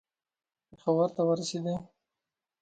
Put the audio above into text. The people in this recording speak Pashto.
پېښور ته ورسېدی.